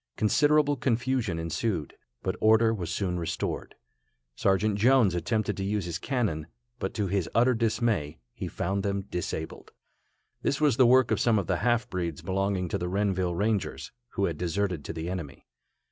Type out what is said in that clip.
Considerable confusion ensued, but order was soon restored. Sergeant Jones attempted to use his cannon, but to his utter dismay, he found them disabled. This was the work of some of the half breeds belonging to the Renville Rangers, who had deserted to the enemy.